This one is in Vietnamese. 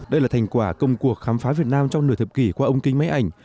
đây là thành quả công cuộc khám phá việt nam trong nửa thập kỷ qua ông kinh máy ảnh